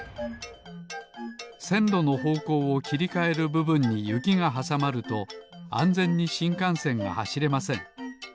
せんろのほうこうをきりかえるぶぶんにゆきがはさまるとあんぜんにしんかんせんがはしれません。